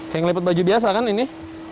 kayak ngelipet baju biasa kan ini